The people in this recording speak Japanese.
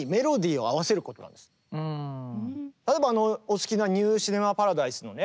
例えばお好きな「ニュー・シネマ・パラダイス」のね